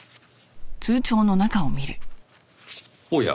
おや？